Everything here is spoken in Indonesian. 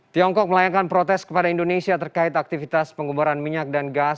tiongkok melayangkan protes kepada indonesia terkait aktivitas penguburan minyak dan gas